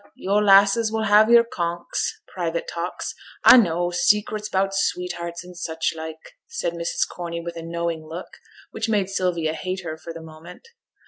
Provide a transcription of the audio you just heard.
yo' lasses will have your conks' (private talks), 'a know; secrets 'bout sweethearts and such like,' said Mrs. Corney, with a knowing look, which made Sylvia hate her for the moment.